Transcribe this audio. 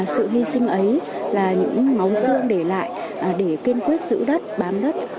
sự hy sinh ấy là những máu xương để lại để kiên quyết giữ đất bám đất